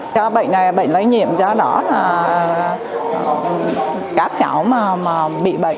các cháu mà bị bệnh